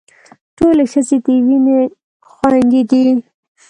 ټولې ښځې د وينې خويندې دي.